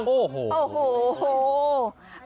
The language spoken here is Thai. โอ้โหโอ้โห